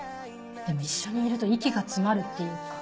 でも一緒にいると息が詰まるっていうか。